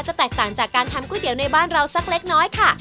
แตกต่างจากการทำก๋วยเตี๋ยวในบ้านเราสักเล็กน้อยค่ะ